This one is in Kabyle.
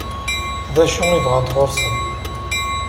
D acu i bɣant sɣur-sen?